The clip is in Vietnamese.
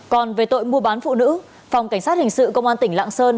còn về tội mua bán phụ nữ phòng cảnh sát hình sự công an tỉnh lạng sơn